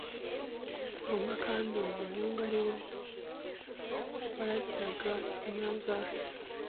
Ngoma kandi uwo muhungu ari we waragiraga inka za se